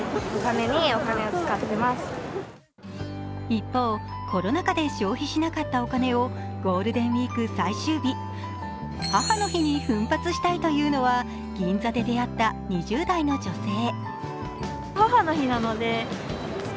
一方、コロナ禍で消費しなかったお金をゴールデンウイーク最終日、母の日に奮発したいというのは銀座で出会った２０代の女性。